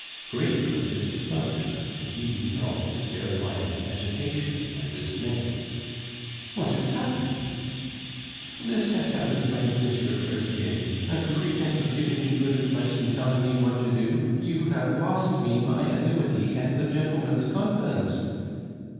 Great was his astonishment when he beheld his fair client's agitation and dismay. "What has happened?" "This has happened, my dear M. Fraisier. Under pretence of giving me good advice and telling me what to do, you have lost me my annuity and the gentlemen's confidence...."